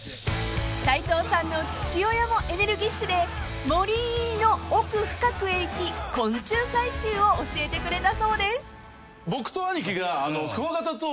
［斉藤さんの父親もエネルギッシュで森の奥深くへ行き昆虫採集を教えてくれたそうです］